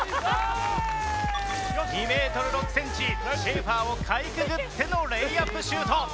２メートル６センチシェーファーをかいくぐってのレイアップシュート。